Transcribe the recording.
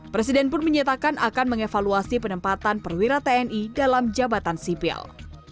presiden pun menyatakan akan mengevaluasi penempatan perwira tni dalam jabatan sipil